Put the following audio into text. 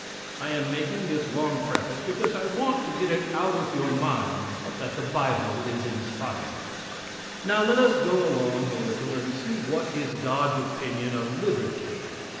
I am making this long preface because I want to get it out of your minds that the bible is inspired. Now let us go along a little and see what is God's opinion of liberty.